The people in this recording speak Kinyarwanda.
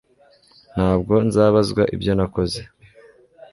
Ntabwo nzabazwa ibyo nakoze